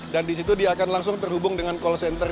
dan disitu dia akan langsung terhubung dengan call center